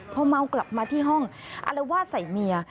พอเมากลับมาที่ห้องอารวาสใส่เมีย